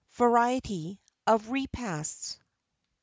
VARIETY OF REPASTS.